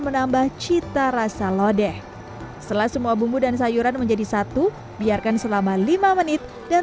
menambah cita rasa lodeh setelah semua bumbu dan sayuran menjadi satu biarkan selama lima menit dan